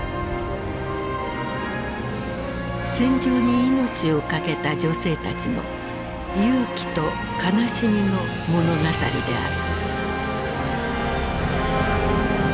戦場に命を懸けた女性たちの勇気と悲しみの物語である。